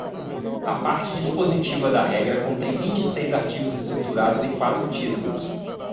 A parte dispositiva da regra contém vinte e seis artigos estruturados em quatro títulos.